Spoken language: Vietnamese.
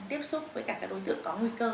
tiếp xúc với các đối tượng có nguy cơ